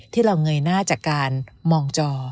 ที่เราเงยหน้าจากการมองจอ